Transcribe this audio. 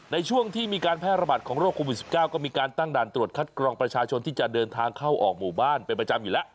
ในช่วงที่มีการแพร่ระบาดของโรคโควิด๑๙ก็มีการตั้งด่านตรวจคัดกรองประชาชนที่จะเดินทางเข้าออกหมู่บ้านเป็นประจำอยู่แล้ว